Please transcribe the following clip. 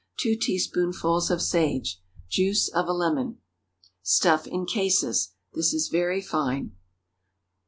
2 teaspoonfuls of sage. Juice of a lemon. Stuff in cases. This is very fine.